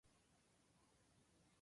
富山県砺波市